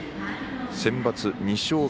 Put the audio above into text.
センバツ２勝目。